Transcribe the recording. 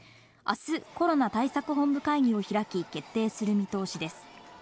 あす、コロナ対策本部会議を開き、決定する見通しです。